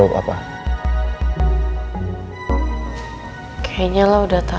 pangeran minta gue untuk ngebukainya